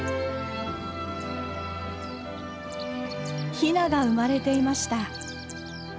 ヒナが生まれていました。